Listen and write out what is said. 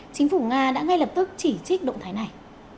chính phủ nga đã ngay lập tức chỉ trích động thái này